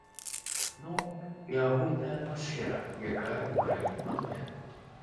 Ну, і агульная атмасфера, якая ў краіне пануе.